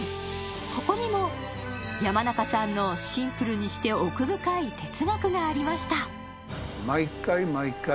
ここにも山中さんのシンプルにして奥深い哲学がありましたうわ！